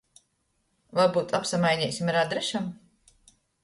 Varbyut apsamaineisim ar adresim?